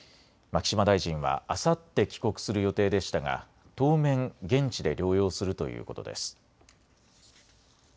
牧島大臣はあさって帰国する予定でしたが当面、現地で療養するということです。